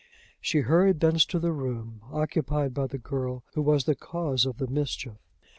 She hurried thence to the room occupied by the girl who was the cause of the mischief.